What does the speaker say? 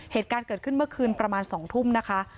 เหตุการณ์เกิดขึ้นเมื่อคืนประมาณ๒ทุ่มนะคะ